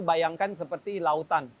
bayangkan seperti lautan